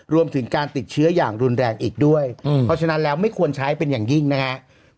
รวมถึงการติดเชื้ออย่างรุนแรงอีกด้วยเพราะฉะนั้นแล้วไม่ควรใช้เป็นอย่างยิ่งนะครับ